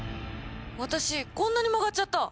私こんなに曲がっちゃった！